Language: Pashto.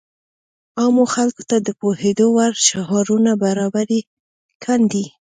عامو خلکو ته د پوهېدو وړ شعارونه برابر کاندي.